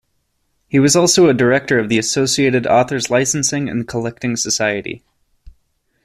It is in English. He was also a director of the associated Authors' Licensing and Collecting Society.